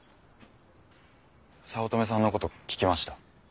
早乙女さんの事聞きました。